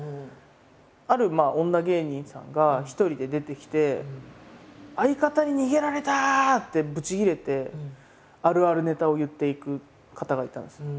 ある女芸人さんが一人で出てきて「相方に逃げられた」ってブチギレてあるあるネタを言っていく方がいたんですよ。